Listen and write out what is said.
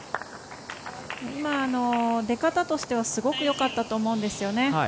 今、出方としてはすごくよかったと思うんですよね。